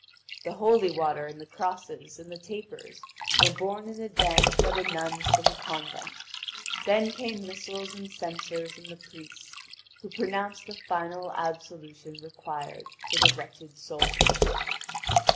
The holy water and the cross and the tapers were borne in advance by the nuns from a convent; then came missals and censers and the priests, who pronounce the final absolution required for the wretched soul.